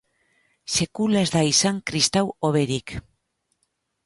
Sekula ez da izan kristau hoberik!